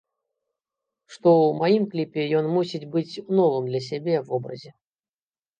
Што ў маім кліпе ён мусіць быць у новым для сябе вобразе.